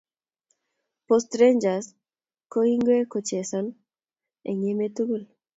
Post rangers koingek kochezan en emt tugul